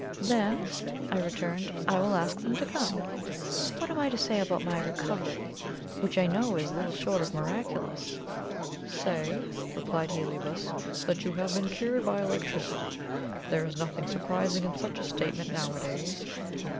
"Then," I returned, "I will ask them to come. What am I to say about my recovery, which I know is little short of miraculous?" "Say," replied Heliobas, "that you have been cured by electricity. There is nothing surprising in such a statement nowadays.